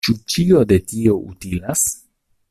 Ĉu ĉio de tio utilas?